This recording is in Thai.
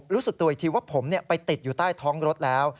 รู้สึกตัวอีกทีว่าผมไปติดอยู่ใต้ท้องรถแล้ว